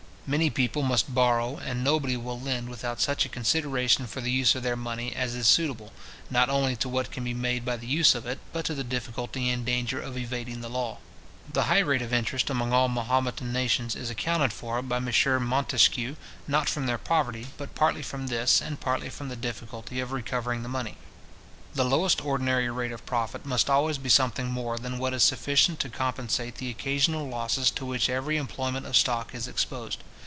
Many people must borrow, and nobody will lend without such a consideration for the use of their money as is suitable, not only to what can be made by the use of it, but to the difficulty and danger of evading the law. The high rate of interest among all Mahometan nations is accounted for by M. Montesquieu, not from their poverty, but partly from this, and partly from the difficulty of recovering the money. The lowest ordinary rate of profit must always be something more than what is sufficient to compensate the occasional losses to which every employment of stock is exposed.